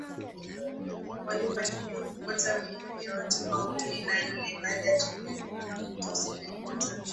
Walifanikiwa kupata miili ya watu hao kumi nanne baada ya tukio hilo la moto siku ya Jumatatu